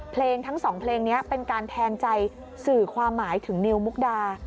เพลงทั้งสองเพลงนี้เป็นการแทนใจสื่อความหมายถึงนิวมุกดา